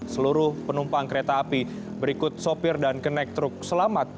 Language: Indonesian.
seluruh penumpang kereta api berikut sopir dan kenek truk selamat